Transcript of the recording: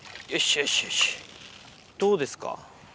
よしよしよしどうですか？